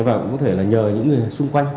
và cũng có thể là nhờ những người xung quanh